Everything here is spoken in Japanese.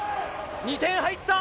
２点入った。